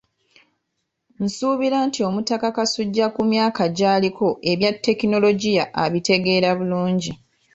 Nsuubira nti Omutaka Kasujja ku myaka gy'aliko ebya tekinologiya abitegeera bulungi.